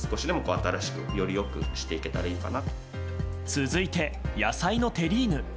続いて、野菜のテリーヌ。